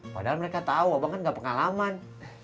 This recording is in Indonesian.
padahal mereka tahu abang kan gak pengalaman